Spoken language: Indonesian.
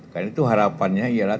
karena itu harapannya ialah